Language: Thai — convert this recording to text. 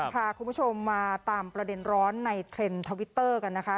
พาคุณผู้ชมมาตามประเด็นร้อนในเทรนด์ทวิตเตอร์กันนะคะ